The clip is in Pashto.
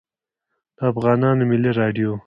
د افغانستان ملی رادیو